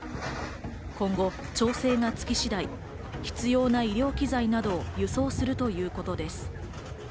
今後、調整がつき次第、必要な医療機材などを輸送するということです。